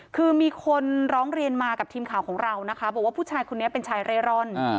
คือมีคนร้องเรียนมากับทีมข่าวของเรานะคะบอกว่าผู้ชายคนนี้เป็นชายเร่ร่อน